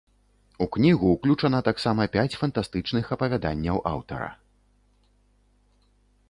У кнігу ўключана таксама пяць фантастычных апавяданняў аўтара.